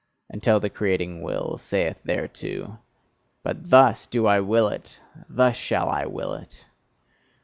Until the creating Will saith thereto: "But thus do I will it! Thus shall I will it!"